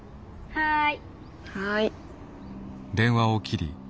はい。